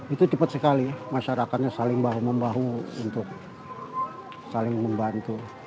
itu cepat sekali masyarakatnya saling bahu membahu untuk saling membantu